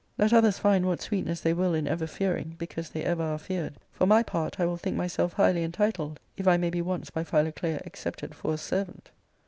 Let others find what sweetness they will in ever fearing, because they ever are feared ; for my part, I yn)l think myself highly en titled if I may be once by Philoclea accepted for a servant."